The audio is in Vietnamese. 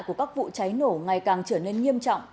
của các vụ cháy nổ ngày càng trở nên nghiêm trọng